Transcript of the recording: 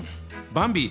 ばんび